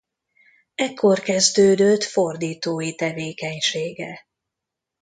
Ekkor kezdődött fordítói tevékenysége.